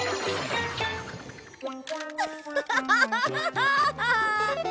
アハハハハッ！